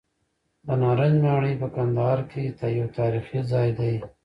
د نارنج ماڼۍ په کندهار کې یو تاریخي ځای دی.